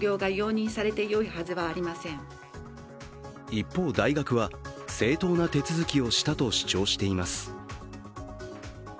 一方、大学は正当な手続きをしたと主張しています。